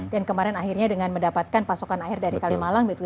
dan kemarin akhirnya dengan mendapatkan pasokan air dari kalimalang gitu